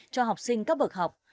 cho học sinh các bậc học